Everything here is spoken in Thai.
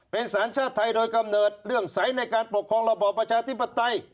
เป็นสัญชาติไทยโดยกำเนิดเรื่องใสในการปกครองระบอบประชาธิปไตย